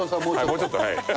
もうちょっとはい。